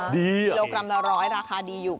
ดีอ่ะเนี่ยกิโลกรัมละร้อยราคาดีอยู่